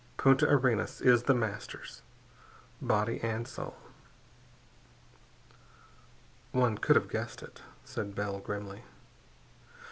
Punta Arenas is The Master's, body and soul." "One could have guessed it," said Bell grimly.